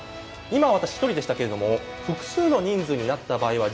今私、１人でしたけれども複数の人数になった場合